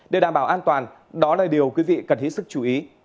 để đảm bảo an toàn đó là điều quý vị cần hết sức chú ý